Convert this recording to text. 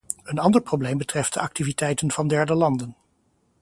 Een ander probleem betreft de activiteiten van derde landen.